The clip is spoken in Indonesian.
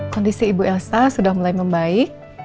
kondisi ibu elsa sudah mulai membaik